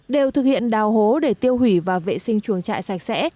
đều thực hiện đào hố để tiêu hủy và vệ sinh chuồng trại sạch sẽ